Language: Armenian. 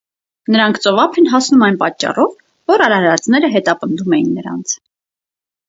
Նրանք ծովափ ես հասնում այն պատճառով, որ արարածները հետապնդում էին նրանց։